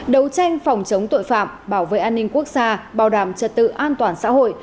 đấu tranh phòng chống tội phạm bảo vệ an ninh quốc gia bảo đảm trật tự an toàn xã hội